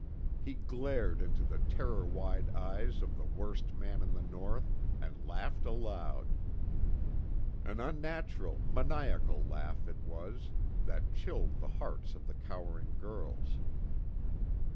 He glared into the terror wide eyes of the worst man in the North, and laughed aloud. An unnatural, maniacal laugh, it was, that chilled the hearts of the cowering girls.